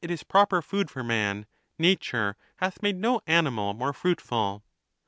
is proper food for man, nature hath made no animal more fruitful.